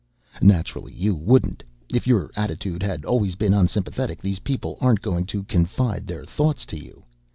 "Naturally you wouldn't if your attitude has always been unsympathetic, these people aren't going to confide their thoughts to you.